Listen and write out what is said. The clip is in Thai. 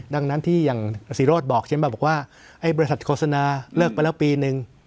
ดังนั้นที่อย่างศิโรธบอกใช่ไหมบอกว่าไอ้บริษัทโฆษณาเลิกไปแล้วปีนึง